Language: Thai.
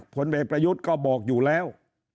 ผลเอกประยุทธ์ก็บอกอยู่แล้ว